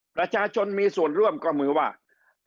ประชาชนมีส่วนร่วมก็มือว่า